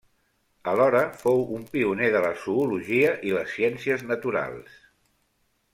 Alhora fou un pioner de la zoologia i les ciències naturals.